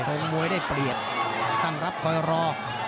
มวยได้เปรียบตั้งรับคอยรอ